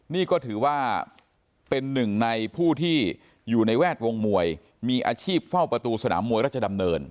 นี่ก็ถือว่าเป็นหนึ่งในผู้ที่อยู่ในแวดวงมวยมีอาชีพเฝ้าประตูสนามมวยราชดำเนิน